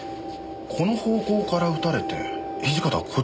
この方向から撃たれて土方はこっちへ動いた。